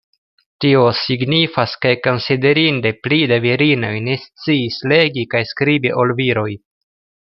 Tio signifas ke konsiderinde pli da virinoj ne sciis legi kaj skribi ol viroj.